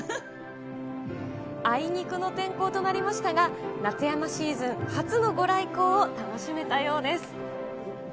あいにくの天候となりましたが、夏山シーズン初の御来光を楽しめたようです。